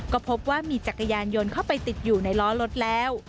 ก็พบว่ามีจักรยานยนต์เข้าไปติดอยู่ในล้อรถแล้ว